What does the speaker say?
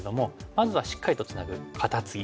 まずはしっかりとツナぐカタツギ。